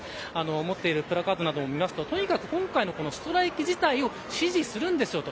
持っているプラカードなどを見ると今回のストライキ自体を支持するんですよと。